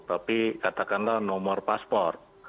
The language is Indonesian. tapi katakanlah nomor paspor